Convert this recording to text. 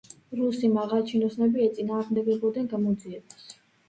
რუსი მაღალჩინოსნები ეწინააღმდეგებოდნენ გამოძიებას.